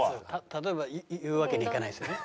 例えばを言うわけにいかないですよね？